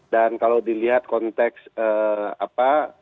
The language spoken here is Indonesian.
dan kalau dilihat konteks apa